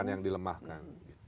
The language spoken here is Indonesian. bukan yang dilemahkan